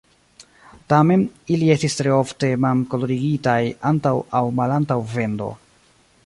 Tamen, ili estis tre ofte man-kolorigitaj antaŭ aŭ malantaŭ vendo.